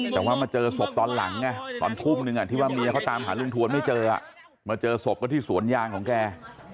แต่ว่ามาเจอศพตอนหลังไงตอนทุ่มนึงที่ว่าเมียเขาตามหาลุงทวนไม่เจอมาเจอศพก็ที่สวนยางของแก